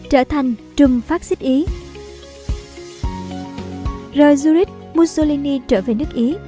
rồi zurich mussolini trở về nước ý